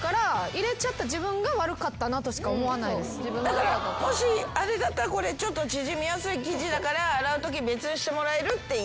だからもしあれだったらこれ縮みやすい生地だから洗うとき別にしてもらえる？って言う。